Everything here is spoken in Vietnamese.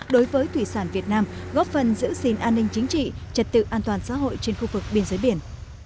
đối với thủy sản việt nam góp phần giữ xin an ninh chính trị trật tự an toàn xã hội trên khu vực biên giới biển